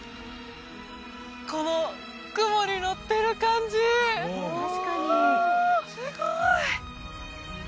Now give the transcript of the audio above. この雲に乗ってる感じうわ